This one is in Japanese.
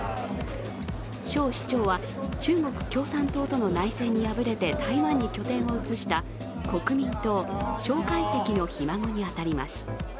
蒋市長は中国共産党との内戦に敗れて台湾に拠点を移した国民党・蒋介石のひ孫に当たります。